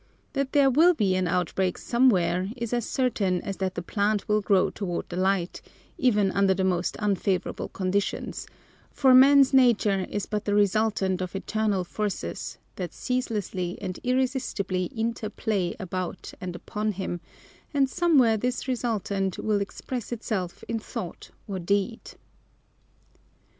That there will be an outbreak somewhere is as certain as that the plant will grow toward the light, even under the most unfavorable conditions, for man's nature is but the resultant of eternal forces that ceaselessly and irresistibly interplay about and upon him, and somewhere this resultant will express itself in thought or deed.